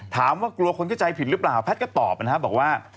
กลัวคนเข้าใจผิดหรือเปล่าแพทย์ก็ตอบนะครับบอกว่า